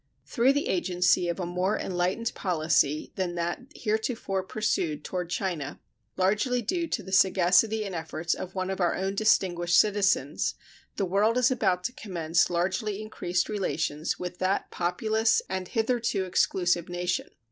Through the agency of a more enlightened policy than that heretofore pursued toward China, largely due to the sagacity and efforts of one of our own distinguished citizens, the world is about to commence largely increased relations with that populous and hitherto exclusive nation.